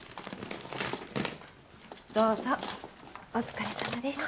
どうぞお疲れさまでした。